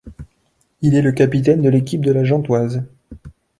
Il est le capitaine de l'équipe de La Gantoise.